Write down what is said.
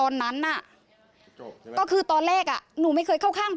แล้วหนูมีลูกเล็ก